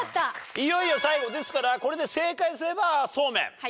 いよいよ最後ですからこれで正解すればそうめん。